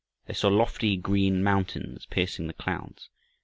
They saw lofty green mountains piercing the clouds.